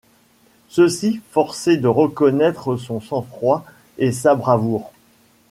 Ceux-ci forcés de reconnaître son sang-froid et sa bravoure